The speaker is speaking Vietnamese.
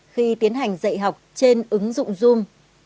khi tiến hành dạy học trên ứng dụng zoom